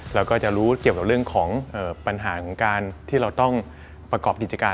เราก็จะรู้เกี่ยวกับเรื่องของปัญหาของการที่เราต้องประกอบกิจการ